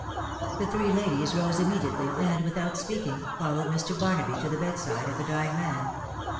The three ladies rose immediately, and, without speaking, followed Mr. Barnaby to the bed side of the dying man.